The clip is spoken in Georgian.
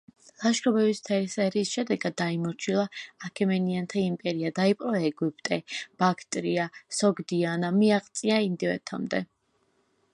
ლაშქრობების მთელი სერიის შედეგად დაიმორჩილა აქემენიანთა იმპერია, დაიპყრო ეგვიპტე, ბაქტრია, სოგდიანა, მიაღწია ინდოეთამდე.